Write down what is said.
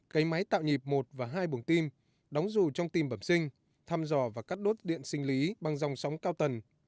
cấy máy tạo nhịp một và hai buồng tim đóng dù trong tim bẩm sinh thăm dò và cắt đốt điện sinh lý bằng dòng sóng cao tần